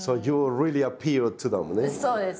そうです。